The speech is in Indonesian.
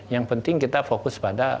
yang penting kita fokus pada